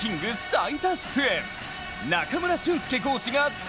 最多出演。